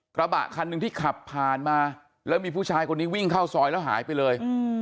กระบะคันหนึ่งที่ขับผ่านมาแล้วมีผู้ชายคนนี้วิ่งเข้าซอยแล้วหายไปเลย